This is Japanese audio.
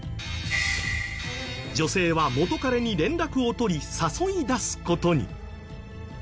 女性は元カレに連絡を取り誘い出す事に。